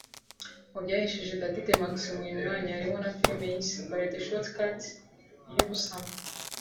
Mu byahesheje Dady de Maximo uyu mwanya harimo na Film yise ‘By the Shortcut/ Iy’ubusamo’